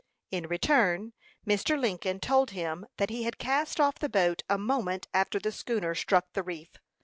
In return, Mr. Lincoln told him that he had cast off the boat a moment after the schooner struck the reef.